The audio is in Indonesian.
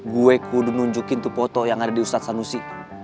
gue kudu nunjukin tuh foto yang ada di ustadz sanusi